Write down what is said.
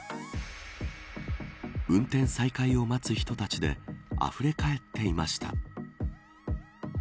運転再開を待つ人たちであふれ返っていました。